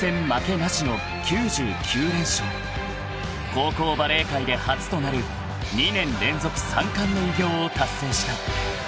［高校バレー界で初となる２年連続３冠の偉業を達成した］